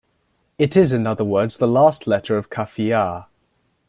It is in other words the last letter of Qaafiyaa.